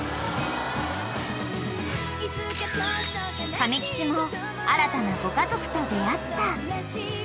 ［亀吉も新たなご家族と出会った］